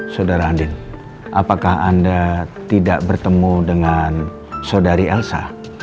saudara andi apakah anda tidak bertemu dengan saudari elsa